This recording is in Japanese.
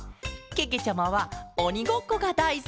けけちゃまはおにごっこがだいすきケロ！